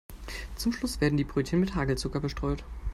Zum Schluss werden die Brötchen mit Hagelzucker bestreut.